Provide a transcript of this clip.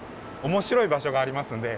面白い場所がありますので